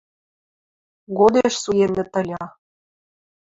Годеш суенӹт ыльы...